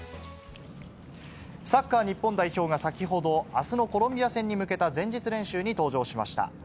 サッカー日本代表が先ほど、あすのコロンビア戦に向けた前日練習に登場しました。